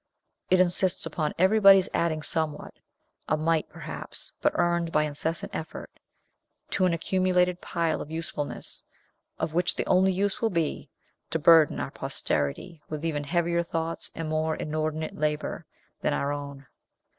It insists upon everybody's adding somewhat a mite, perhaps, but earned by incessant effort to an accumulated pile of usefulness, of which the only use will be, to burden our posterity with even heavier thoughts and more inordinate labor than our own.